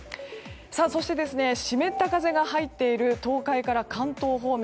そして、湿った風が入っている東海から関東方面